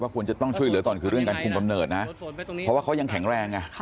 คุณคุณคุณต้องช่วยเหลือตอนคือเรื่องทำเนิดนะนะเพราะว่าเขายังแข็งแรงน่ะ